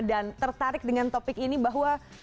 dan tertarik dengan topik ini bahwa